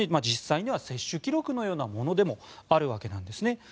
実際には接種記録のようなものでもあるわけなんです。